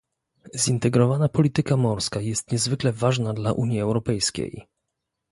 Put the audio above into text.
Zintegrowana polityka morska jest niezwykle ważna dla Unii Europejskiej